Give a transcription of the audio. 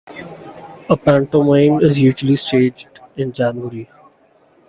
A pantomime is usually staged in January.